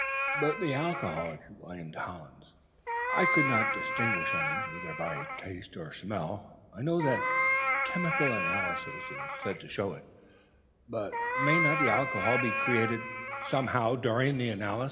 "'But the alcohol!' exclaimed Hollins. "I could not distinguish any, either by taste or smell. I know that chemical analysis is said to show it; but may not the alcohol be created, somehow, during the analysis?'